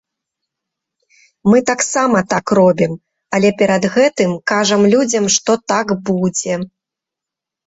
Мы таксама так робім, але перад гэтым кажам людзям, што так будзе.